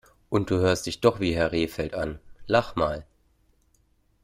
Und du hörst dich doch wie Herr Rehfeld an! Lach mal!